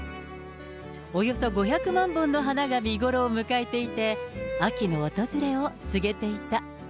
およそ５００万本の花が見頃を迎えていて、秋の訪れを告げていた。